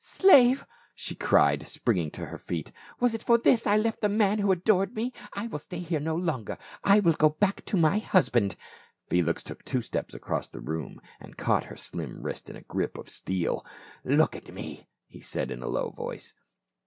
" Slave !" she cried, springing to her feet, " was it for this I left the man who adored me ? I will stay here no longer ; I will go back to my husband !" Felix took two steps across the room and caught her slim wrists in a grip of steel. " Look at me," he said in a low voice.